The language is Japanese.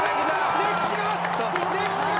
歴史が！